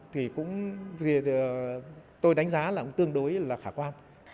thì tôi đánh giá là cũng tương đối là khả quan